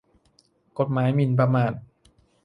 กฎหมายหมิ่นประมาท